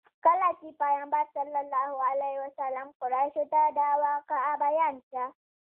کله چې پیغمبر صلی الله علیه وسلم قریشو ته دا واقعه بیان کړه.